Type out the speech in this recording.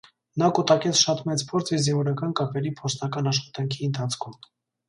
Նա կուտակեց շատ մեծ փորձ իր զինվորական կապերի փորձնական աշխատանքի ընթացքում։